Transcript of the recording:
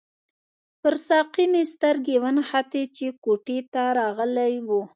پر ساقي مې سترګې ونښتې چې کوټې ته راغلی وو.